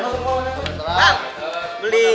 nomor berapa bang